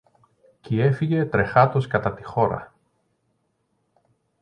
Κι έφυγε τρεχάτος κατά τη χώρα.